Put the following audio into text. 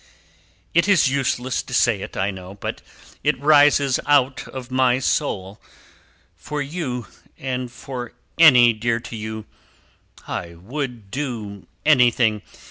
It is useless to say it, I know, but it rises out of my soul. For you, and for any dear to you, I would do anything.